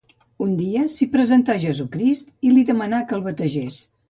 Un dia, s'hi presentà Jesucrist i li demanà que el bategés.